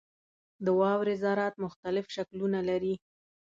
• د واورې ذرات مختلف شکلونه لري.